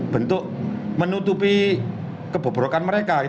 bentuk menutupi kebobrokan mereka